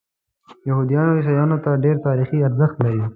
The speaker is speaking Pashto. یهودیانو او عیسویانو ته ډېر تاریخي ارزښت لري.